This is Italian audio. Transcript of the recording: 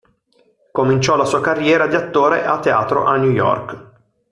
Cominciò la sua carriera di attore a teatro a New York.